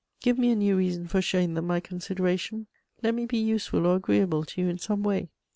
Give me a new reason for showing them my consideration: let me be useful or agreeable to you in some way.